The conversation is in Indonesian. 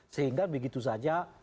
sehingga begitu saja